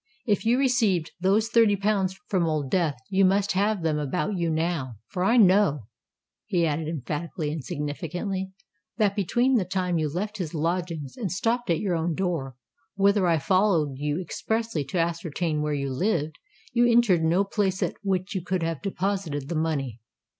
"If you received those thirty pounds from Old Death, you must have them about you now; for I know," he added emphatically and significantly, "that between the time you left his lodgings and stopped at your own door, whither I followed you expressly to ascertain where you lived, you entered no place at which you could have deposited the money."